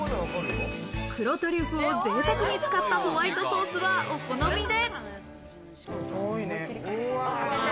黒トリュフをぜいたくに使ったホワイトソースはお好みで。